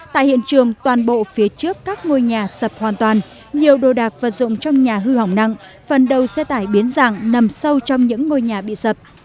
tại hiện trường toàn bộ phía trước các ngôi nhà sập hoàn toàn nhiều đồ đạc vật dụng trong nhà hư hỏng nặng phần đầu xe tải biến dạng nằm sâu trong những ngôi nhà bị sập